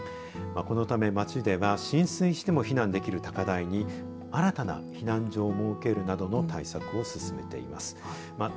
このため町では浸水しても避難できる高台に新たな避難所を設けるなどの対策を進めています。